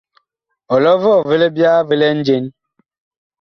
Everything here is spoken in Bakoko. Ɔlɔ vɔɔ vi libyaa vi lɛ njen ?